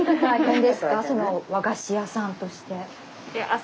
和菓子屋さんとして。